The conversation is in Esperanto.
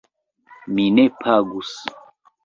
Mi ne pagus.